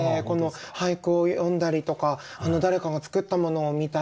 俳句を詠んだりとか誰かが作ったものを見たり。